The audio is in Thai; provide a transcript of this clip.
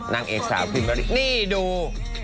นางเอกสาวคิมบารี่นี่ดู